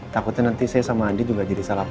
takutnya nanti saya sama andi juga jadi salah